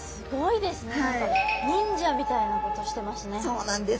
そうなんです。